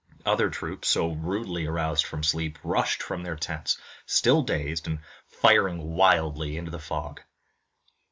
Other troops, so rudely aroused from sleep, rushed from their tents, still dazed, and firing wildly in the fog.